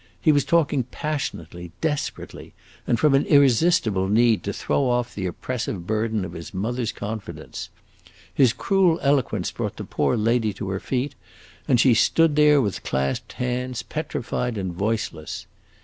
He was talking passionately, desperately, and from an irresistible need to throw off the oppressive burden of his mother's confidence. His cruel eloquence brought the poor lady to her feet, and she stood there with clasped hands, petrified and voiceless.